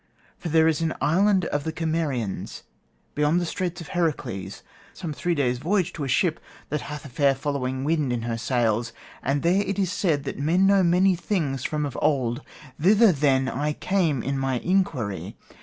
For there is an island of the Cimmerians beyond the Straits of Heracles, some three days' voyage to a ship that hath a fair following wind in her sails; and there it is said that men know many things from of old: thither, then, I came in my inquiry.